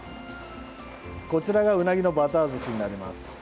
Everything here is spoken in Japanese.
こちらがうなぎのバターずしになります。